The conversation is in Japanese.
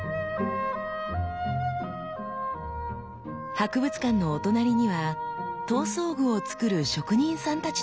博物館のお隣には刀装具を作る職人さんたちの工房が。